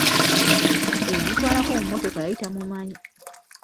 Eyamutwalako mu mmotoka yali tamumanyi.